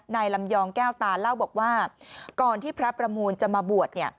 นายลำยองแก้วตาเล่าบอกว่าก่อนที่พระประมูลจะมาบวชเนี่ย